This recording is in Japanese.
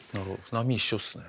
波一緒っすね。